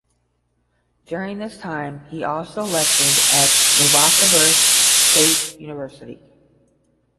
During this time he also lectured at Novosibirsk State University.